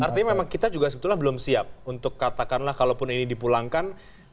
artinya memang kita juga sebetulnya belum siap untuk katakanlah kalaupun ini dipulangkan